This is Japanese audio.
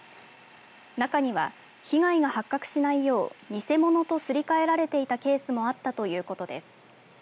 中には被害が発覚しないよう偽物とすり替えられていたケースもあったということです。